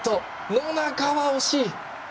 野中は惜しい！